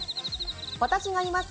私がいます